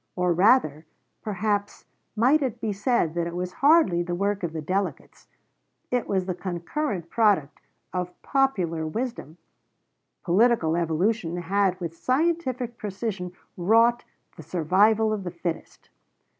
Or rather, perhaps, might it be said that it was hardly the work of the delegates it was the concurrent product of popular wisdom. Political evolution had with scientific precision wrought "the survival of the fittest."